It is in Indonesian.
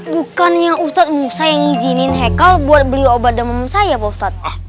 bukannya ustadz musa yang izinin hekal buat beli obat dama musa ya pak ustadz